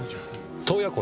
洞爺湖